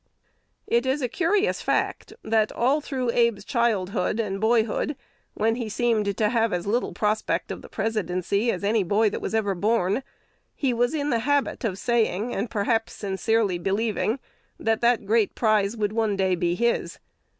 It is a curious fact, that through all Abe's childhood and boyhood, when he seemed to have as little prospect of the Presidency as any boy that ever was born, he was in the habit of saying, and perhaps sincerely believing, that that great prize would one day be his.